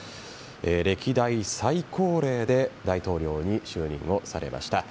歴代最高齢で大統領に就任されました。